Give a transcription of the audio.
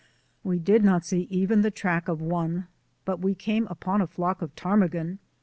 We did not see even the track of one. But we came upon a flock of ptarmigan.